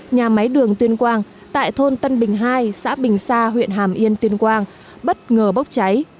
nhà máy đường tuyên quang tại thôn tân bình hai xã bình sa huyện hàm yên tuyên quang bất ngờ bốc cháy